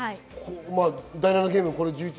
第７ゲームです。